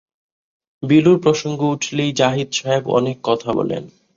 বিলুর প্রসঙ্গ উঠলেই জাহিদ সাহেব অনেক কথা বলেন।